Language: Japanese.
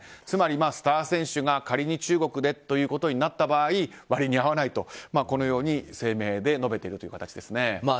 つまり、スター選手が仮に中国でということになった場合割に合わないと、このように声明で述べているという形です。